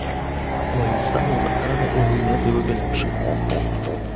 Moim zdaniem ramy unijne byłyby lepsze